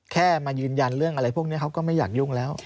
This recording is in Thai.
แค่มายืนยันเรื่องอะไรพวกนี้เขาก็ไม่อยากยุ่งแล้ว